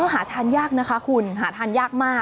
หาทานยากนะคะคุณหาทานยากมาก